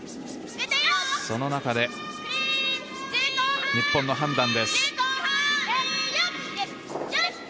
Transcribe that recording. その中で日本の判断です。